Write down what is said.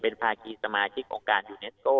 เป็นภาคีสมาชิกของการยูเนสโก้